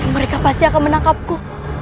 mereka pasti akan menangkapku